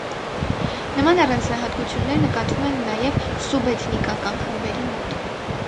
Նման առանձնահատկություններ նկատվում են նաև սուբէթնիկական խմբերի մոտ։